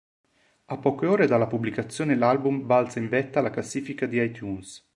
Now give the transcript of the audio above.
A poche ore dalla pubblicazione l'album balza in vetta alla classifica di iTunes.